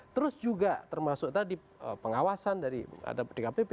terus juga termasuk tadi pengawasan dari ada di kpp